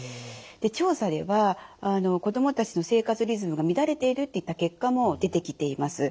調査では子どもたちの生活リズムが乱れているといった結果も出てきています。